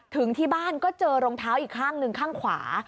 ถึงที่บ้านก็เจอรองเท้าอีกข้างหนึ่งข้างขวา